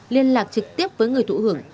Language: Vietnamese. liên lạc trực tiếp với người thủ hưởng